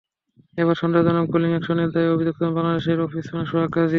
এবার সন্দেহজনক বোলিং অ্যাকশনের দায়ে অভিযুক্ত হলেন বাংলাদেশের অফস্পিনার সোহাগ গাজী।